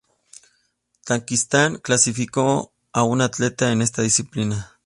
Tayikistán clasificó a un atleta en esta disciplina.